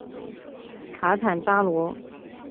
卡坦扎罗。